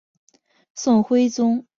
宋徽宗大观元年。